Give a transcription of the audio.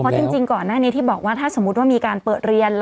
เพราะจริงก่อนหน้านี้ที่บอกว่าถ้าสมมุติว่ามีการเปิดเรียน